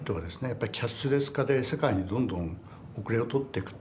やっぱりキャッシュレス化で世界にどんどん後れを取ってくと。